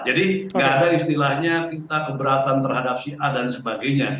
jadi enggak ada istilahnya kita keberatan terhadap si ahy dan sebagainya